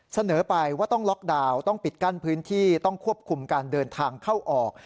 เสนอไปว่าต้องล็อกดาวน์ต้องปิดกั้นพื้นที่ต้องควบคุมการเดินทางเข้าออก